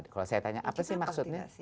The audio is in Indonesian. kalau saya tanya apa sih maksudnya